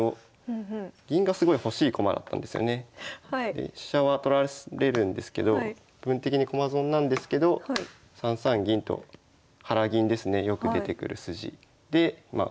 で飛車は取られるんですけど部分的に駒損なんですけど３三銀と腹銀ですねよく出てくる筋で受けなしになります。